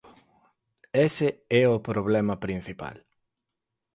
Ese é o problema principal.